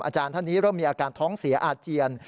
อาจารย์ท่านนี้เริ่มมีอาการท้องเสียอาเจียน